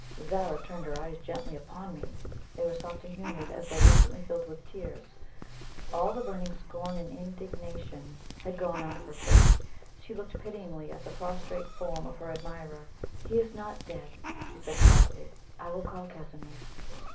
Zara turned her eyes gently upon me they were soft and humid as though recently filled with tears. All the burning scorn and indignation had gone out of her face she looked pityingly at the prostrate form of her admirer. "He is not dead," she said quietly. "I will call Casimir."